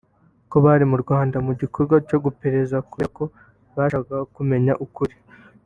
ko bari mu Rwanda mu gikorwa cyo guperereza kubera ko bashaka kumenya ukuri